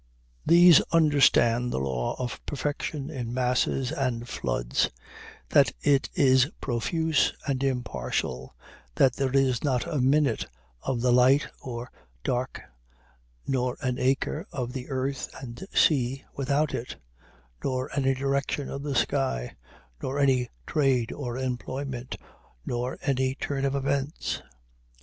These understand the law of perfection in masses and floods that it is profuse and impartial that there is not a minute of the light or dark, nor an acre of the earth and sea, without it nor any direction of the sky, nor any trade or employment, nor any turn of events.